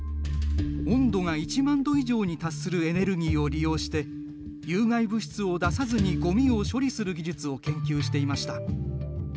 温度が１万度以上に達するエネルギーを利用して有害物質を出さずにごみを処理する技術を研究していました。